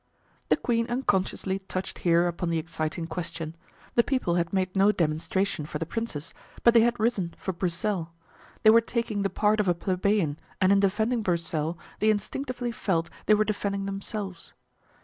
The queen unconsciously touched here upon the exciting question. The people had made no demonstration for the princes, but they had risen for Broussel; they were taking the part of a plebeian and in defending Broussel they instinctively felt they were defending themselves.